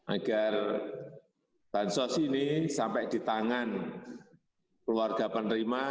agar bantuan sosial ini sampai di tangan keluarga penerima